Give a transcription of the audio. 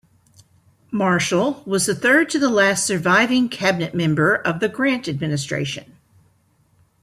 Marshall was the third to last surviving cabinet member of the Grant Administration.